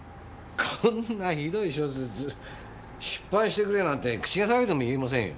こんなひどい小説出版してくれなんて口が裂けても言えませんよ。